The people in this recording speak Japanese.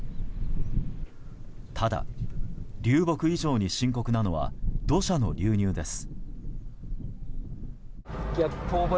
ただ、流木以上に深刻なのは土砂の流入です。